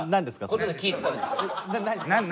事で聞いてたんですよ。